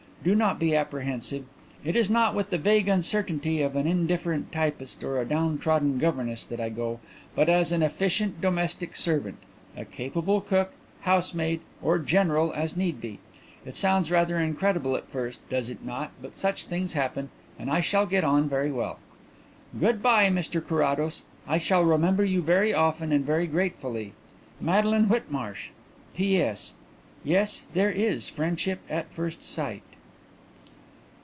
Do not be apprehensive. It is not with the vague uncertainty of an indifferent typist or a downtrodden governess that I go, but as an efficient domestic servant a capable cook, housemaid or 'general,' as need be. It sounds rather incredible at first, does it not, but such things happen, and I shall get on very well. "Good bye, Mr Carrados; I shall remember you very often and very gratefully. "MADELINE WHITMARSH. "P.S. Yes, there is friendship at first sight."